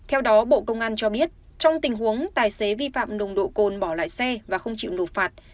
theo đó bộ công an cho biết trong tình huống tài xế vi phạm nồng độ cồn bỏ lại xe và không chịu nộp phạt